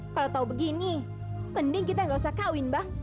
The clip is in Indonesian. kalau tau begini mending kita gak usah kawin bang